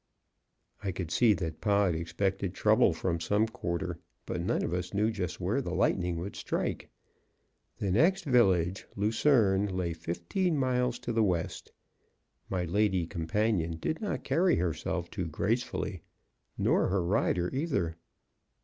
I could see that Pod expected trouble from some quarter, but none of us knew just where the lightning would strike. The next village, Luzerne, lay fifteen miles to the west. My lady companion did not carry herself too gracefully, nor her rider, either.